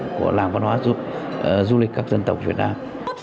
hoạt động của làng văn hóa du lịch các dân tộc việt nam